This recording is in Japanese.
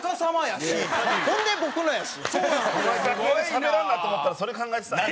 しゃべらんなと思ったらそれ考えてたんや？